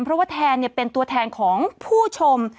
เพราะว่าแทนเป็นตัวแทนของผู้ชม